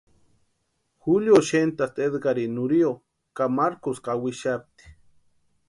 Julio xentasti Edgarini Nurio ka markuksï kawixapti.